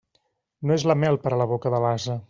No és la mel per a la boca de l'ase.